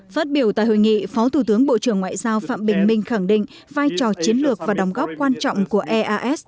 phát biểu tại hội nghị phó thủ tướng bộ trưởng ngoại giao phạm bình minh khẳng định vai trò chiến lược và đóng góp quan trọng của eas